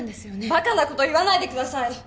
バカなこと言わないでください